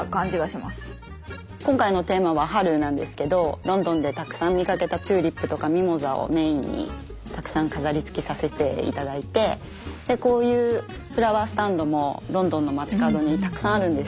ほんとにロンドンでたくさん見かけたチューリップとかミモザをメインにたくさん飾りつけさせて頂いてこういうフラワースタンドもロンドンの街角にたくさんあるんですよ。